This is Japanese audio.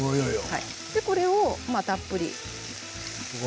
これはたっぷり。